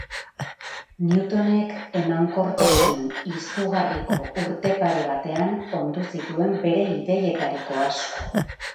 Newtonek emankortasun izugarriko urte pare batean ondu zituen bere ideietariko asko.